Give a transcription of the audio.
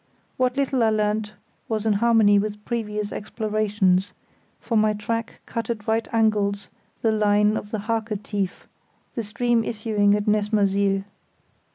What little I learnt was in harmony with previous explorations, for my track cut at right angles the line of the Harke Tief, the stream issuing at Nessmersiel.